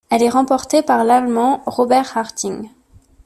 Elle est remportée par l'Allemand Robert Harting.